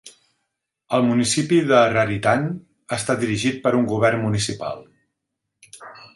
El municipi de Raritan està dirigit per un govern municipal.